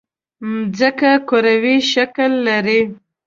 مځکه کروي شکل لري.